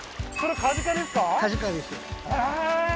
カジカです